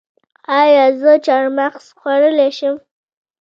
ایا زه چهارمغز خوړلی شم؟